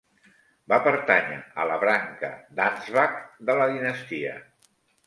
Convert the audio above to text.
Va pertànyer a la branca d'Ansbach de la dinastia.